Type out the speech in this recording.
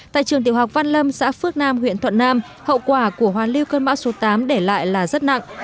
tại trường tiểu học văn lâm xã phước nam huyện thuận nam hậu quả của hoàn lưu cơn bão số tám để lại là rất nặng